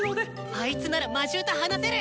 あいつなら魔獣と話せる！